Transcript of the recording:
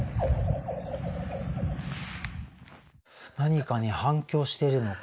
何かに反響しているのか。